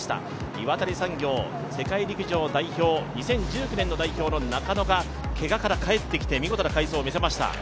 岩谷産業、世界陸上の２０１９年の代表が中野がけがから帰ってきて見事な快走をみせました。